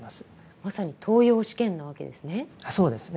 まさに登用試験なわけですね。